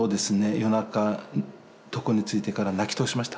夜中床についてから泣き通しました。